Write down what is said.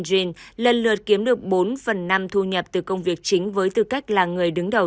green lần lượt kiếm được bốn phần năm thu nhập từ công việc chính với tư cách là người đứng đầu